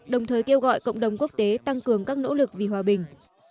đồng thời kêu gọi cộng đồng quốc tế tăng cường các nỗ lực vì hòa bình